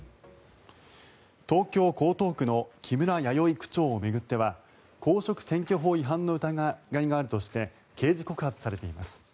東京・江東区の木村弥生区長を巡っては公職選挙法違反の疑いがあるとして刑事告発されています。